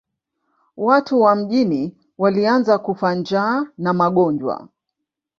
Watu wa mjini walianza kufa njaa na magonjwa.